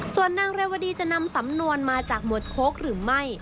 ส่วนนางเรวดีจะนำสำนวนมาจากหมวดโค้กหรือไม่